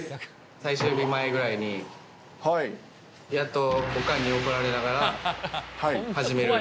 最終日前ぐらいに、やっとおかんに怒られながら始める。